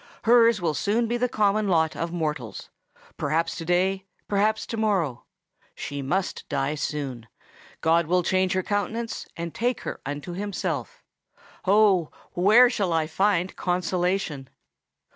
"Hers will soon be the common lot of mortals—perhaps to day, perhaps to morrow! She must die soon—God will change her countenance and take her unto himself. Oh! where shall I find consolation?"